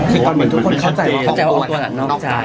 คือตอนเหมือนทุกคนเข้าใจว่าเขาออกจากนอกใจ